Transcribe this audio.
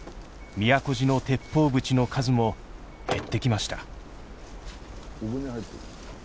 都路の鉄砲ぶちの数も減ってきました。